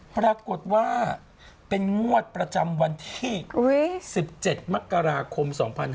ปรากฏว่าเป็นงวดประจำวันที่๑๗มกราคม๒๕๕๙